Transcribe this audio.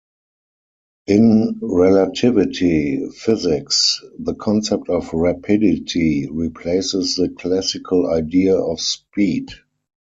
In relativity physics, the concept of rapidity replaces the classical idea of speed.